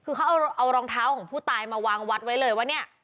คือเขาเอารองเท้าของผู้ตายมาวางวัดไว้เลยว่าเนี่ย